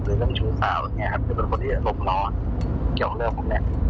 หรือเรื่องชู้สาวนั่นแหละครับก็เป็นคนที่จะร่วมร้อนเกี่ยวกับเรื่องของแม่